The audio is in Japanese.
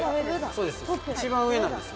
そうです。